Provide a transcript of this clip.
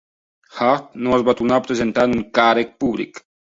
Hart no es va tornar a presentar a un càrrec públic.